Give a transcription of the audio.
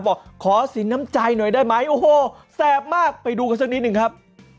บอกขอสินน้ำใจหน่อยได้ไหมโอ้โหแสบมากไปดูกันสักนิดนึงครับ